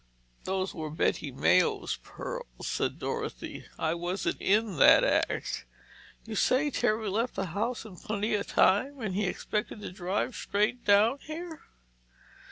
"Those were Betty Mayo's pearls," said Dorothy. "I wasn't in that act. You say Terry left the house in plenty of time, and he expected to drive straight down here?"